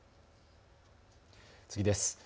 次です。